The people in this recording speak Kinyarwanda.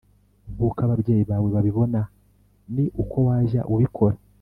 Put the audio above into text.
nk uko ababyeyi bawe babibona Ni uko wajya ubikora